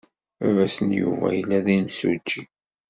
Baba-s n Yuba yella d imsujji.